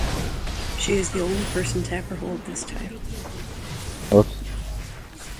She is the only person to ever hold this title.